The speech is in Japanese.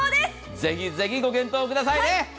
ぜひぜひご検討くださいね。